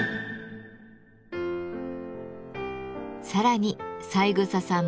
さらに三枝さん